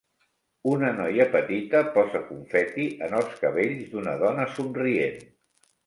Una noia petita posa confeti en els cabells d'una dona somrient.